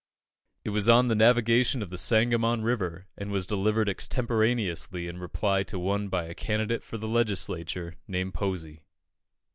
It was on the navigation of the Sangamon River, and was delivered extemporaneously in reply to one by a candidate for the Legislature, named Posey.